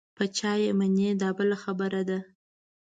په چا یې منې دا بله خبره ده.